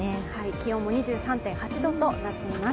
気温も２３．８度となっています